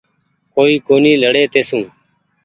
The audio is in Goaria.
ڪوئي ڪونيٚ لهڙي تيسون